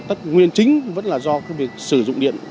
tất nguyên chính vẫn là do cái việc sử dụng điện